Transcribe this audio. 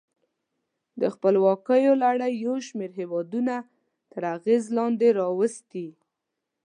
د خپلواکیو لړۍ یو شمیر هېودونه تر اغېز لاندې راوستي.